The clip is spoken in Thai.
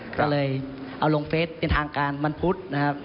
ก็เลยเอาลงเฟสเป็นทางการวันพุธนะครับ